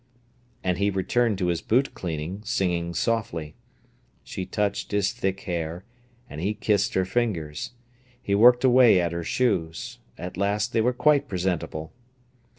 And he returned to his boot cleaning, singing softly. She touched his thick hair, and he kissed her fingers. He worked away at her shoes. At last they were quite presentable.